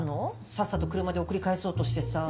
さっさと車で送り帰そうとしてさぁ。